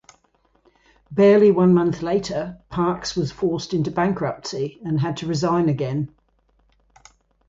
Barely one month later Parkes was forced into bankruptcy and had to resign again.